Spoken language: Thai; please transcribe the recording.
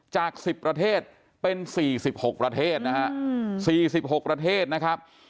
จาก๑๐ประเทศเป็น๔๖ประเทศนะครับ